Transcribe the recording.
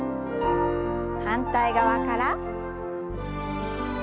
反対側から。